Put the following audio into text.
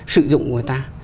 sử dụng của người ta